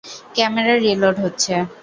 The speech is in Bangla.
ক্যামেরা রিলোড হচ্ছে।